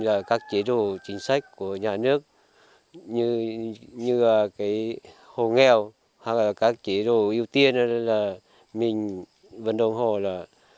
là các chế độ chính sách của nhà nước như cái hồ nghèo hoặc là các chế độ ưu tiên là mình vận động hồ là